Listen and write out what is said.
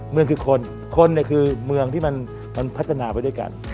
เมืองคือคนคนเนี่ยคือเมืองที่มันพัฒนาไปด้วยกัน